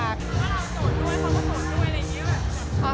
คือถ้าเราโสดด้วยเขาก็โสดด้วยอะไรอย่างนี้